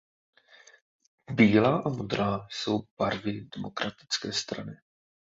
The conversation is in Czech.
Bílá a modrá jsou barvy Demokratické strany.